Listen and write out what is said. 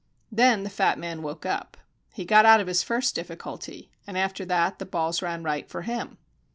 Then the fat man woke up. He got out of his first difficulty, and after that the balls ran right for him.